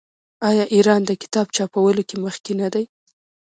آیا ایران د کتاب چاپولو کې مخکې نه دی؟